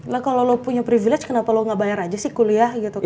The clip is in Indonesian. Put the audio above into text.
lo kalau lo punya privilege kenapa lo gak bayar aja sih kuliah gitu kan